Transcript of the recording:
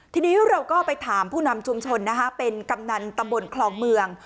ทีนี้เราก็ไปถามผู้นำชุมชนนะคะเป็นกำนันตำบลคลองเมือง